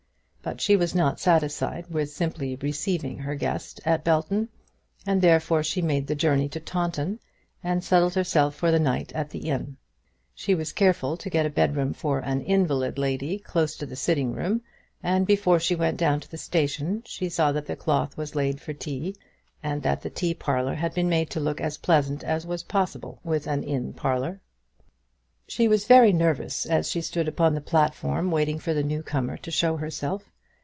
But she was not satisfied with simply receiving her guest at Belton, and therefore she made the journey to Taunton, and settled herself for the night at the inn. She was careful to get a bedroom for an "invalid lady," close to the sitting room, and before she went down to the station she saw that the cloth was laid for tea, and that the tea parlour had been made to look as pleasant as was possible with an inn parlour. She was very nervous as she stood upon the platform waiting for the new comer to show herself.